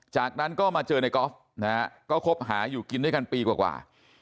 จากนั้นก็มาเจอในกอล์ฟนะฮะก็คบหาอยู่กินด้วยกันปีกว่า